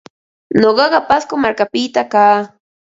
Nuqaqa Pasco markapita kaa.